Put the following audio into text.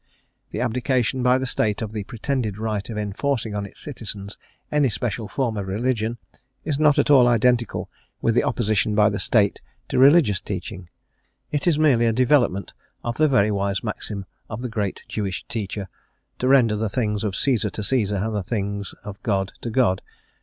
The abdication by the State of the pretended right of enforcing on its citizens any special form of religion, is not at all identical with the opposition by the State to religious teaching; It is merely a development of the very wise maxim of the great Jewish Teacher, to render the things of Caesar to Caesar, and the things of God to God.